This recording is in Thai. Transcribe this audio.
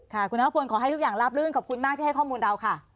คุณนพลขอให้ทุกอย่างลาบลื่นขอบคุณมากที่ให้ข้อมูลเราค่ะ